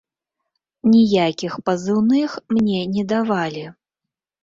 Ніякіх пазыўных мне не давалі.